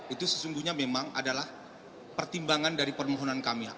itu sesungguhnya memang adalah pertimbangan dari permohonan kami